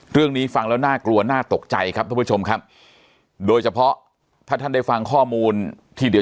เรื่องนี้ฟังแล้วน่ากลัวน่าตกใจครับท่านผู้ชมครับโดยเฉพาะถ้าท่านได้ฟังข้อมูลที่เดี๋ยว